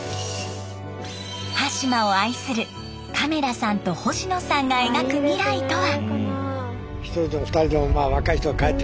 端島を愛する亀田さんと星野さんが描く未来とは？